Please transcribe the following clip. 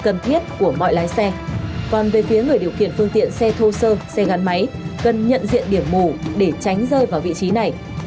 cần thiết của mọi lái xe còn về phía người điều khiển phương tiện xe thô sơ xe gắn máy cần nhận diện điểm mù để tránh rơi vào vị trí này